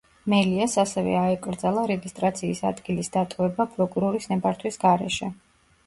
მელიას ასევე აეკრძალა რეგისტრაციის ადგილის დატოვება პროკურორის ნებართვის გარეშე.